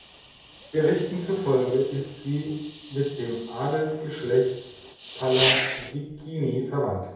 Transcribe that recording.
Berichten zufolge ist sie mit dem Adelsgeschlecht Pallavicini verwandt.